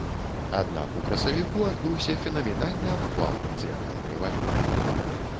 Аднак у красавіку адбыўся фенаменальны абвал нацыянальнай валюты.